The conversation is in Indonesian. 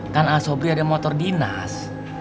kan a'ah sobri ada motor dinas